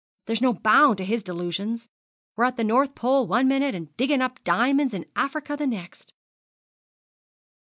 There's no bounds to his delusions. We're at the North Pole one minute, and digging up diamonds in Africa the next.'